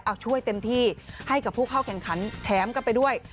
เอาช่วยเต็มที่ให้กับผู้เข้าแข่งขันแถมกันไปด้วย